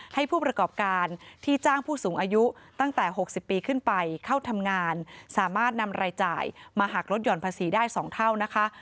ให้ผู้ประกอบการที่จ้างผู้สูงอายุตั้งแต่๖๐ปีขึ้นไปเข้าทำงานสามารถนำรายจ่ายมาหักลดห่อนภาษีได้๒เท่านะคะ